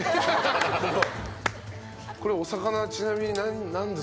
これお魚ちなみに何ですか？